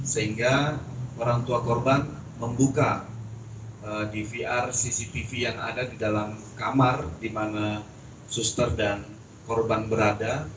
sehingga orang tua korban membuka dvr cctv yang ada di dalam kamar di mana suster dan korban berada